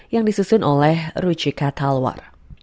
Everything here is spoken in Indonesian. yang disusun oleh rucika talwar